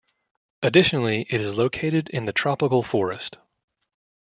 Additionally, it is located in the tropical forest.